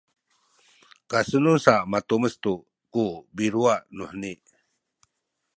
kasenun sa matumes tu ku biluwa nuheni